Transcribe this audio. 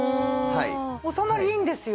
収まりいいんですよ。